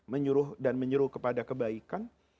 menyuruh dan menyuruh kepada kebaikan